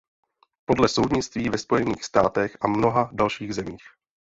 Podle soudnictví ve Spojených státech a mnoha dalších zemích.